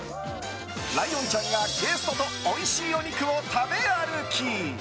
ライオンちゃんがゲストとおいしいお肉を食べ歩き！